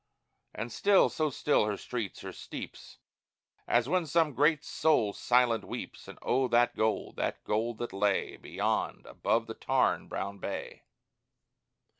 And still, so still, her streets, her steeps, As when some great soul silent weeps; And oh, that gold, that gold that lay Beyond, above the tarn, brown bay!